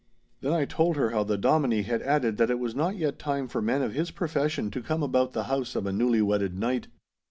Then I told her how the Dominie had added that it was not yet time for men of his profession to come about the house of a newly wedded knight.